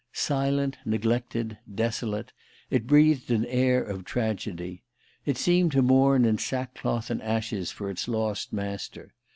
Silent, neglected, desolate, it breathed an air of tragedy. It seemed to mourn in sackcloth and ashes for its lost master.